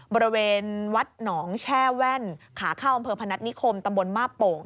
บริเวณวัดหนองแช่แว่นขาเข้าอำเภอพนัฐนิคมตำบลมาบโป่ง